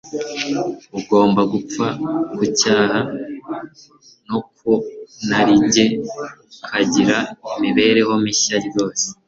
Ugomba gupfa ku cyaha no ku narijye, ukagira imibereho mishya rwose.